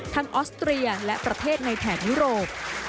ออสเตรียและประเทศในแถบยุโรป